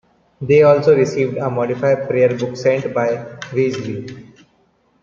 They also received a modified prayer book sent by Wesley.